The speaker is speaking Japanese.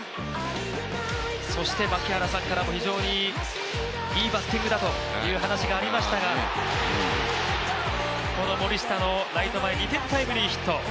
そして槙原さんからも非常にいいバッティングだという話がありましたが、この森下のライト前２点タイムリーヒット。